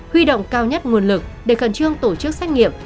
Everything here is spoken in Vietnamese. huy động cao nhất nguồn lực để khẩn trương tổ chức xét nghiệm